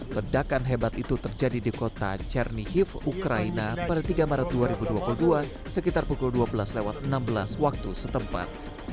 ledakan hebat itu terjadi di kota chernichiev ukraina pada tiga maret dua ribu dua puluh dua sekitar pukul dua belas enam belas waktu setempat